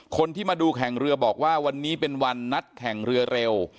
คนที่มาดูแข่งเรือบอกว่าวันนี้เป็นวันนัดแข่งเรือเร็ว